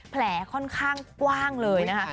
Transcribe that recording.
ค่อนข้างกว้างเลยนะคะ